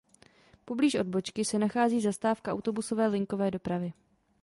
Poblíž odbočky se nachází zastávka autobusové linkové dopravy.